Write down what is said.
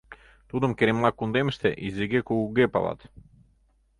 Тудым Керемлак кундемыште изиге-кугуге палат.